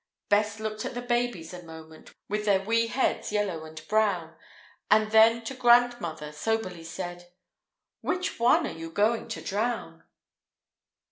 Bess looked at the babies a moment, With their wee heads, yellow and brown, And then to grandmother soberly said, "Which one are you going to drown?" [A] Author unknown.